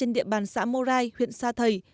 bản tra trên địa bàn xã morai huyện sa thầy